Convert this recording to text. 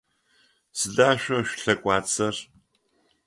Сыда шъо шъулъэкъуацӏэр?